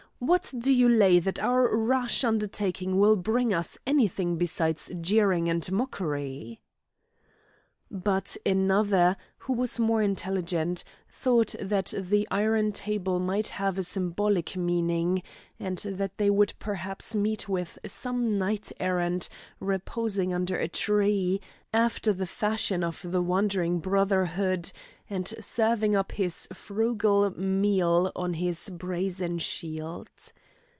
What do you lay that our rash undertaking will bring us any thing besides jeering and mockery?" But another, who was more intelligent, thought that the iron table might have a symbolical meaning, and that they would perhaps meet with some knight errant reposing under a tree, after the fashion of the wandering brotherhood, and serving up his frugal meal on his brazen shield.